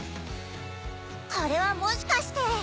これはもしかして。